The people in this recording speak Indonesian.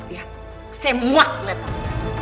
ya semuak liat aku